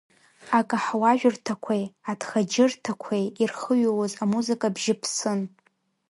Акаҳуажәырҭақәеи аҭхаџьырҭақәеи ирхыҩлоз амузыка бжьы ԥсын.